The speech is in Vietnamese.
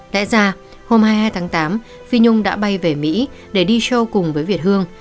lẽ ra hôm hai mươi hai tháng tám phi nhung đã bay về mỹ để đi sâu cùng với việt hương